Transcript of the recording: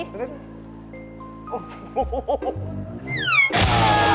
โอ้โห